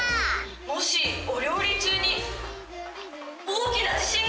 もしお料理中に大きな地震が来たら！？